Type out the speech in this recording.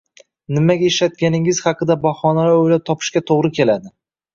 nimaga ishlatganingiz haqida bahonalar o‘ylab topishga to‘g‘ri keladi.